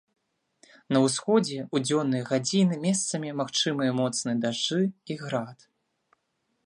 На ўсходзе ў дзённыя гадзіны месцамі магчымыя моцныя дажджы і град.